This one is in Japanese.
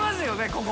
ここ。